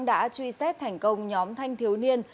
đã truy xét thành công nhóm thanh thiếu niên